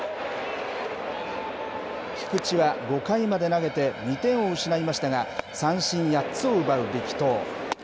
菊池は５回まで投げて２点を失いましたが、三振８つを奪う力投。